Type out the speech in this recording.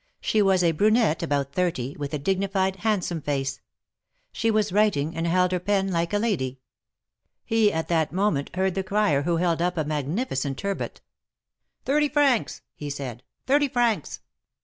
She was a brunette about thirty, with a dignified, handsome face. She was writing, and held her pen like a lady. He at that moment heard the crier, who held up a magnificent turbot : Thirty francs !" he said, thirty francs